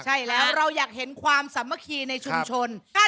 ใช่แล้วเราอยากเห็นความสมคี่ในชุมชนครับ